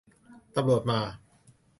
ตำรวจมา !